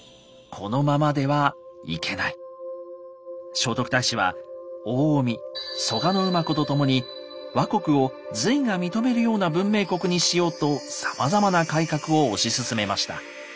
聖徳太子は大臣・蘇我馬子と共に倭国を隋が認めるような文明国にしようとさまざまな改革を推し進めました。